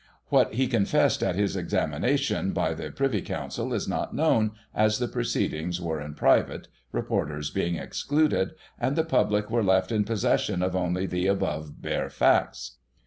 What he confessed at his examination by the Privy Council is not known, as the proceedings were in private, reporters being excluded, and the public were left in possession of only the above bare facts.